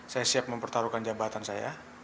saya siap mempertaruhkan jabatan saya